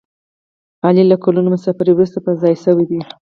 علي له کلونو مسافرۍ ورسته په ځای شوی دی.